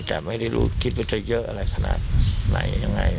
แต่ไม่ได้รู้คิดว่าจะเยอะอะไรขนาดไหนยังไง